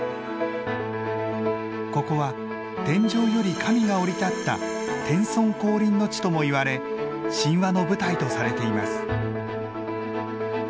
ここは天上より神が降り立った天孫降臨の地ともいわれ神話の舞台とされています。